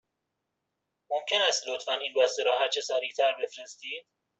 ممکن است لطفاً این بسته را هرچه سریع تر بفرستید؟